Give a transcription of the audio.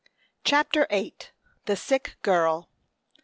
CHAPTER VIII. THE SICK GIRL.